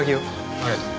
ありがとう。